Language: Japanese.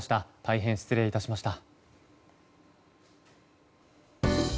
大変失礼いたしました。